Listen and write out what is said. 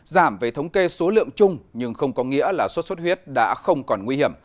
giảm về thống kê số lượng chung nhưng không có nghĩa là sốt xuất huyết đã không còn nguy hiểm